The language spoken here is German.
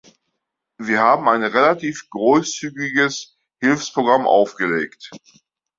Wir haben ein relativ großzügiges Hilfsprogramm aufgelegt.